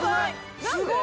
すごい！